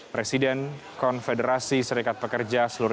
presiden konfederasi serikat pekerja seluruh indonesia